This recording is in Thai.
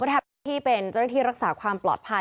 กำแพงจะได้รักษาความปลอดภัย